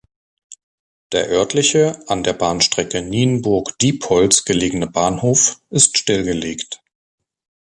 Der örtliche, an der Bahnstrecke Nienburg–Diepholz gelegene Bahnhof ist stillgelegt.